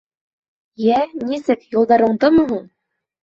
— Йә, нисек, юлдар уңдымы һуң?